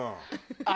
ああ！